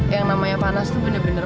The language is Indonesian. yang namanya panas itu benar benar